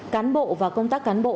cán bộ và công tác cán bộ